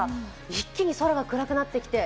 一気に空が暗くなってきて。